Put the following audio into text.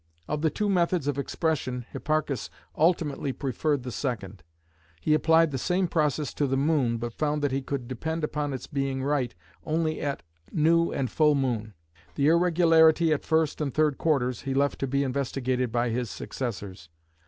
Of the two methods of expression Hipparchus ultimately preferred the second. He applied the same process to the moon but found that he could depend upon its being right only at new and full moon. The irregularity at first and third quarters he left to be investigated by his successors.